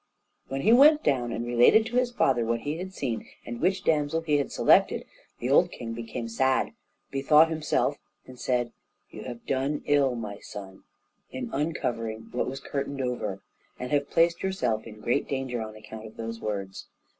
When he went down and related to his father what he had seen and which damsel he had selected, the old king became sad, bethought himself, and said: "You have done ill, my son, in uncovering what was curtained over, and have placed yourself in great danger on account of those words.